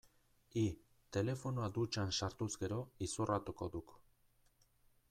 Hi, telefonoa dutxan sartuz gero, izorratuko duk.